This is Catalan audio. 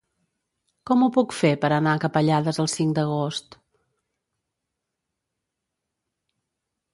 Com ho puc fer per anar a Capellades el cinc d'agost?